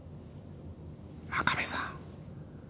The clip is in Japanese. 真壁さん。